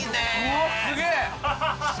うわっすげえ！